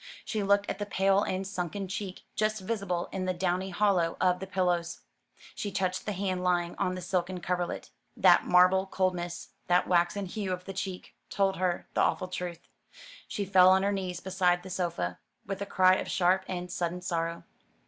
She looked at the pale and sunken cheek, just visible in the downy hollow of the pillows; she touched the hand lying on the silken coverlet. That marble coldness, that waxen hue of the cheek, told her the awful truth. She fell on her knees beside the sofa, with a cry of sharp and sudden sorrow.